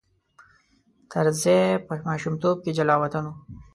طرزی په ماشومتوب کې جلاوطن و.